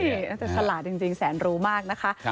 นี่น่าจะฉลาดจริงแสนรู้มากนะคะ